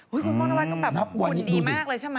คุณป้องนวัตก็แบบหุ่นดีมากเลยใช่มั้ย